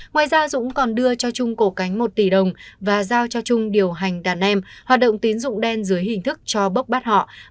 ngoài ra dũng còn đưa cho trung cổ cánh một tỷ đồng và giao cho trung điều hành đàn em hoạt động tín dụng đen dưới hình thức cho bốc bắt họ